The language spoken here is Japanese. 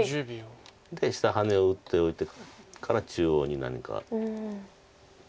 で下ハネを打っておいてから中央に何か。